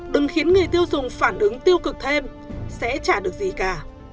đừng khiến người tiêu dùng phản ứng tiêu cực thêm sẽ trả được gì cả